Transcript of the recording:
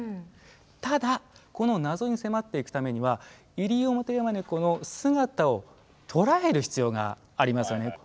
ただこの謎に迫っていくためにはイリオモテヤマネコの姿を捉える必要がありますよね。